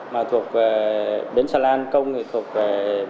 mà thuộc về bến xà lan công thì thuộc về